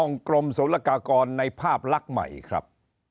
กรมศุลกากรในภาพลักษณ์ใหม่ครับ